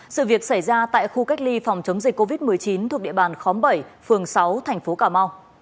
sự việc xảy ra tại khu cách ly phòng chống dịch covid một mươi chín thuộc địa bàn khóm bảy phường sáu tp cm